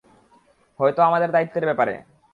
হয়তো আমাদের দায়িত্তের ব্যাপারে।